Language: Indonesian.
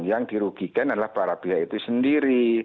yang dirugikan adalah para pihak itu sendiri